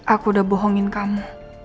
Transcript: aku udah bohongin kamu